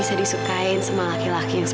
aduh ini ini